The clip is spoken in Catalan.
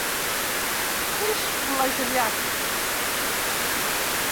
És flagel·lat.